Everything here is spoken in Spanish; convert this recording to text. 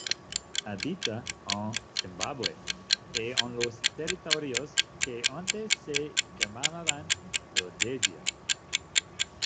Habita en Zimbabue y en los territorios que antes se llamaban Rodesia.